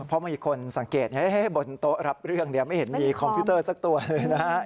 เพราะมีคนสังเกตบนโต๊ะรับเรื่องไม่เห็นมีคอมพิวเตอร์สักตัวเลยนะฮะ